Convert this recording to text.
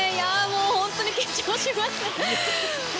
本当に緊張します！